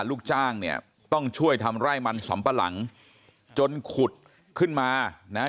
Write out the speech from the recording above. ลูกจ้างเนี่ยต้องช่วยทำไร่มันสำปะหลังจนขุดขึ้นมานะฮะ